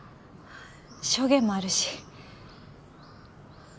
証言もあるし。